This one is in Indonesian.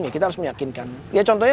ya kita harus meyakinkan ya contohnya